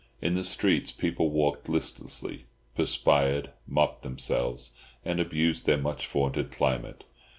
In the streets people walked listlessly, perspired, mopped themselves, and abused their much vaunted climate.